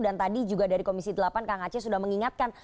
dan tadi juga dari komisi delapan kang aceh sudah mengingatkan